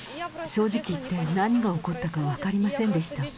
正直言って何が起こったか分かりませんでした。